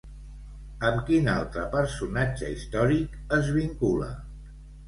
Amb quin altre personatge històric es vincula?